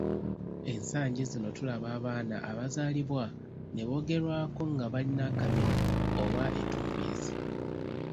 Ensangi zino tulaba abaana abazaalibwa ne boogerwako ng’abalina akamiro oba ettumbiizi.